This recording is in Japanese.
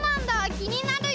きになるよ！